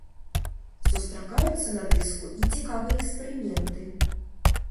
Сустракаюцца на дыску і цікавыя эксперыменты.